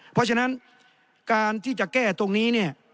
เพราะฉะนั้นการที่จะแก้ตรงนี้เนี่ย